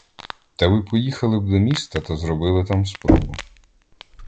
Та ви поїхали б до міста та зробили там спробу.